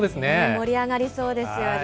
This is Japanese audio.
盛り上がりそうですよね。